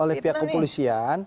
oleh pihak kepolisian